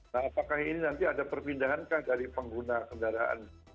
nah apakah ini nanti ada perpindahan kah dari pengguna kendaraan